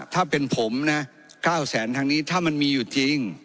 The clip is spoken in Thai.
ถ้าเป็นผมนะ๙แสนทางนี้ถ้ามันมีอยู่จริง